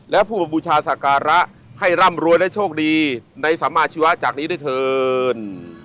และผู้มาบูชาศักระให้ร่ำรวยและโชคดีในสัมมาชีวะจากนี้ด้วยเถิน